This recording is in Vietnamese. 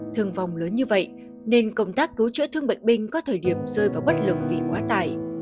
thương vong lớn như vậy nên công tác cứu chữa thương bệnh binh có thời điểm rơi vào bất lực vì quá tài